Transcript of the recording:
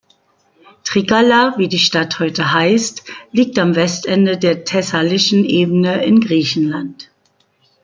Trikala, wie die Stadt heute heißt, liegt am Westende der thessalischen Ebene in Griechenland.